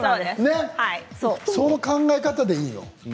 その考え方でいいんよ。